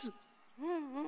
うんうん。